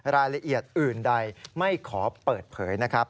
รายละเอียดอื่นใดไม่ขอเปิดเผยนะครับ